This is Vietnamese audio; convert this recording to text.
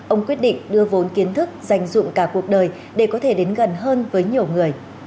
ông quyết định đưa vốn kiến thức dành dụng cả cuộc đời để có thể đến gần hơn với nhiều người